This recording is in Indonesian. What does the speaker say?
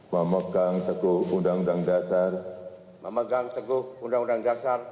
memegang teguh undang undang dasar